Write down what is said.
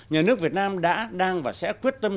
nhà nước việt nam đã đang và sẽ quyết tâm